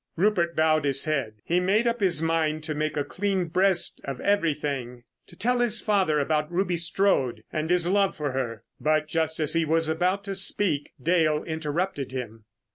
Rupert bowed his head. He made up his mind to make a clean breast of everything, to tell his father about Ruby Strode and his love for her. But just as he was about to speak Dale interrupted him.